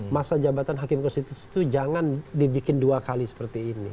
masa jabatan hakim konstitusi itu jangan dibikin dua kali seperti ini